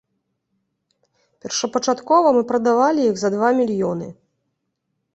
Першапачаткова мы прадавалі іх за два мільёны.